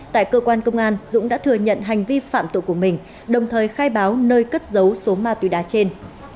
tại cơ quan công an dũng đã thừa nhận hành vi phạm tội của mình đồng thời khai báo nơi cất dấu số ma túy đá trên